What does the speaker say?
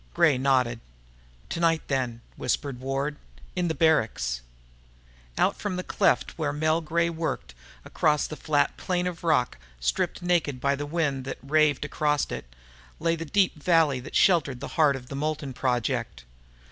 Gray nodded. "Tonight, then," whispered Ward. "In the barracks." Out from the cleft where Mel Gray worked, across the flat plain of rock stripped naked by the wind that raved across it, lay the deep valley that sheltered the heart of the Moulton Project.